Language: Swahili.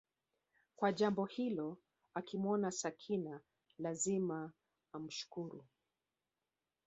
kwa jambo hilo akimwona Sakina lazima amshukuru